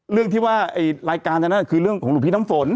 เรื่องที่รายการดังนั้นคือเรื่องของของฝพี่น้ำสน